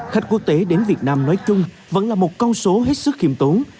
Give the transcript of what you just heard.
khách quốc tế đến việt nam nói chung vẫn là một con số hết sức khiêm tốn